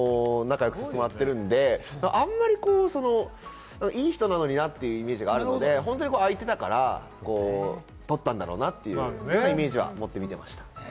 仲良くさせてもらっているんで、あんまり、こう、いい人なのになというイメージがあるので、本当に空いていたから取ったんだろうなというイメージを持って見ていました。